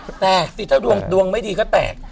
แปลกถ้าดวงไม่ดีก็แปลก